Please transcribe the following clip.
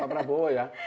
pak prabowo ya